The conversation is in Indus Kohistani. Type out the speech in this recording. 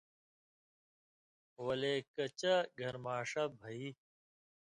ولے کچھ گھریۡماݜہ بھئ